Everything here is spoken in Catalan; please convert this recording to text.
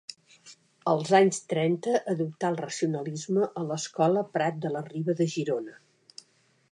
Els anys trenta adoptà el racionalisme a l’escola Prat de la Riba de Girona.